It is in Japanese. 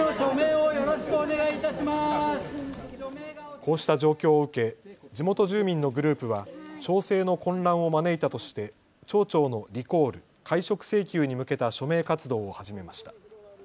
こうした状況を受け、地元住民のグループは町政の混乱を招いたとして町長のリコール・解職請求に向けた署名活動を始めました。